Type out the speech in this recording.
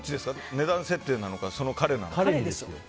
値段設定なのか、彼なのか。